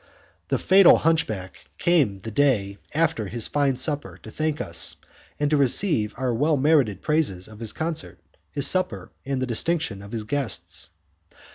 The fatal hunchback came the day after his fine supper to thank us and to receive our well merited praises of his concert, his supper, and the distinction of his guests.